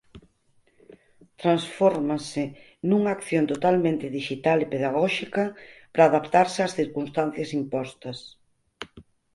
Transfórmase nunha acción totalmente dixital e pedagóxica para adaptarse ás circunstancias impostas.